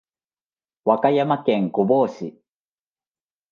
和歌山県御坊市